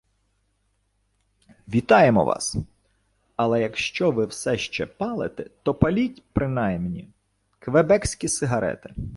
Вітаємо вас! Але якщо ви все ще палите, то паліть, принаймні, квебекські сигарети»